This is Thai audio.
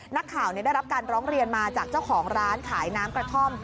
นักข่าวได้รับการร้องเรียนมาจากเจ้าของร้านขายน้ำกระท่อม